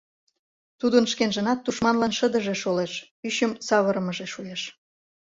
Тудын шкенжынат тушманлан шыдыже шолеш, ӱчым савырымыже шуэш.